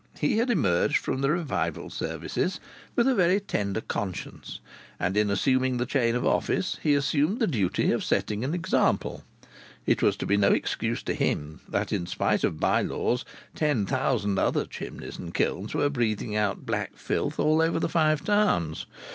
He had emerged from the revival services with a very tender conscience, and in assuming the chain of office he assumed the duty of setting an example. It was to be no excuse to him that in spite of bye laws ten thousand other chimneys and kilns were breathing out black filth all over the Five Towns.